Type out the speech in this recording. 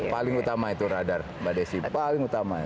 paling utama itu radar mbak desi paling utama